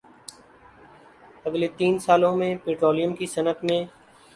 اگلے تین سالوں میں پٹرولیم کی صنعت میں